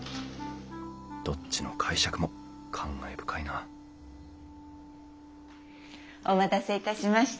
どっちの解釈も感慨深いなお待たせいたしました。